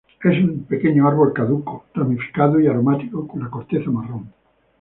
Es un pequeño árbol caduco ramificado y aromático con la corteza marrón.